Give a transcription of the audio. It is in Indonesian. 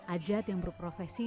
ajat yang berprofesi